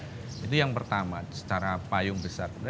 kemudian yang kedua kita juga akan menyelesaikan paling tidak di sepuluh tahun